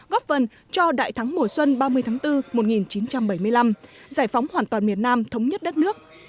góp vần cho đại thắng mùa xuân ba mươi tháng bốn một nghìn chín trăm bảy mươi năm giải phóng hoàn toàn miền nam thống nhất đất nước